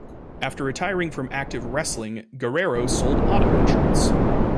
After retiring from active wrestling, Guerrero sold auto insurance.